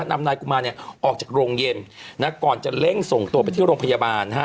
นำนายกุมารเนี่ยออกจากโรงเย็นนะก่อนจะเร่งส่งตัวไปที่โรงพยาบาลนะฮะ